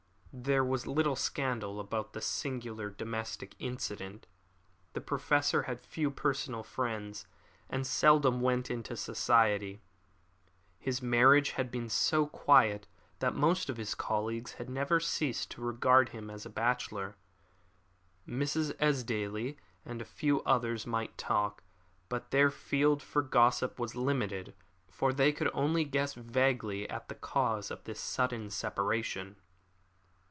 There was little scandal about this singular domestic incident. The Professor had few personal friends, and seldom went into society. His marriage had been so quiet that most of his colleagues had never ceased to regard him as a bachelor. Mrs. Esdaile and a few others might talk, but their field for gossip was limited, for they could only guess vaguely at the cause of this sudden separation.